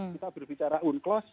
kita berbicara unclos